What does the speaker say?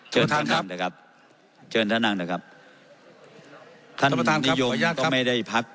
เชิญท่านครับเชิญท่านนั่งนะครับท่านนิยมก็ไม่ได้พัก